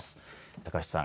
高橋さん